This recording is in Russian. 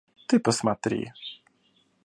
Ты посмотри.